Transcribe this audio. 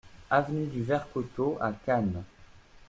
Avenue du Vert Coteau à Cannes